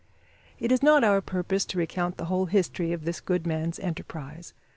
It is not our purpose to recount the whole history of this good man's enterprise.